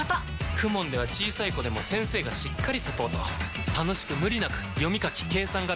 ＫＵＭＯＮ では小さい子でも先生がしっかりサポート楽しく無理なく読み書き計算が身につきます！